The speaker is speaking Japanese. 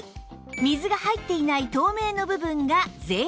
水が入っていない透明の部分がぜい肉